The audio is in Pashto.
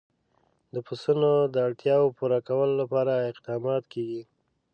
د پسونو د اړتیاوو پوره کولو لپاره اقدامات کېږي.